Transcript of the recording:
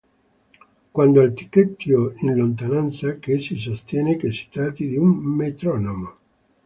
Quanto al ticchettio in lontananza, c'è chi sostiene che si tratti di un metronomo.